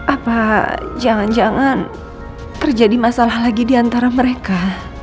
apa jangan jangan terjadi masalah lagi diantara mereka